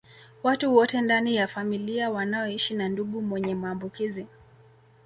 Watu wote ndani ya familia wanaoshi na ndugu mwenye maambukizi